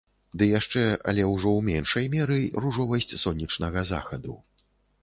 Ды яшчэ, але ўжо ў меншай меры, ружовасць сонечнага захаду.